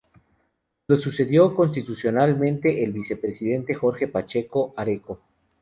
Lo sucedió constitucionalmente el vicepresidente Jorge Pacheco Areco.